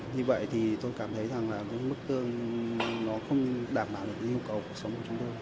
như vậy thì tôi cảm thấy rằng là mức lương